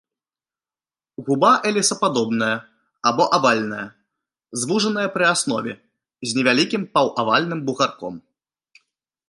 Губа эліпсападобная або авальная, звужаная пры аснове, з невялікім паўавальным бугарком.